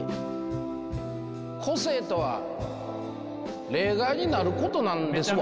個性とは例外になることなんですわ。